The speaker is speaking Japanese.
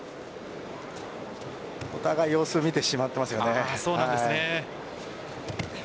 お互い様子を見てしまっていますよね。